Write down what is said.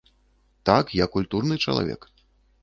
Так, я культурны чалавек!